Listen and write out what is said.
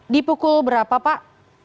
di pukul berapa pak